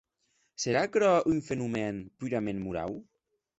Serà aquerò un fenomèn purament morau?